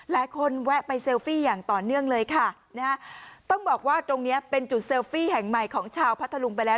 แวะไปเซลฟี่อย่างต่อเนื่องเลยค่ะนะฮะต้องบอกว่าตรงเนี้ยเป็นจุดเซลฟี่แห่งใหม่ของชาวพัทธลุงไปแล้ว